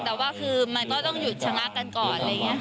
แต่ว่าคือมันก็ต้องหยุดชนะกันก่อน